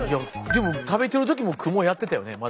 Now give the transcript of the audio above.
でも食べてる時もクモやってたよねまだ。